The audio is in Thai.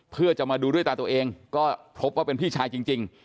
เพื่อจะมาดูด้วยตาตัวเองก็พบว่าเป็นพี่ชายจริง